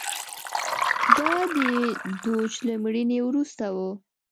دا د دوج له مړینې وروسته و